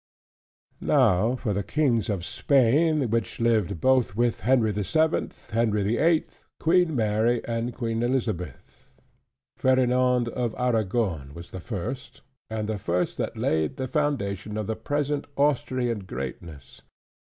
Now for the kings of Spain, which lived both with Henry the Seventh, Henry the Eighth, Queen Mary, and Queen Elizabeth; Ferdinand of Arragon was the first: and the first that laid the foundation of the present Austrian greatness.